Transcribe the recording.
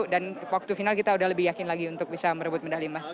dan waktu final kita udah lebih yakin lagi untuk bisa merebut medali emas